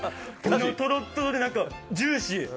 とろっとろで、ジューシー。